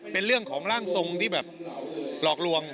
เป็นเรื่องของร่างทรงที่แบบหลอกลวง